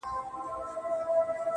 یو وصیت یې په حُجره کي وو لیکلی٫